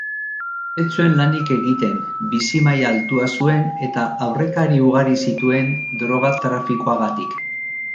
Ez zuen lanik egiten, bizi-maila altua zuen eta aurrekari ugari zituen droga-trafikoagatik.